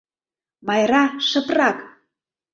Майра, шыпрак!